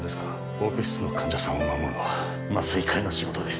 オペ室の患者さんを守るのは麻酔科医の仕事です